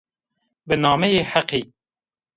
Bi nameyê Heqî